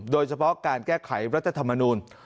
โดยเฉพาะการแก้ไขรัฐธรรมนูล